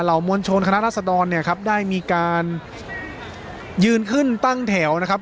มวลชนคณะรัศดรเนี่ยครับได้มีการยืนขึ้นตั้งแถวนะครับ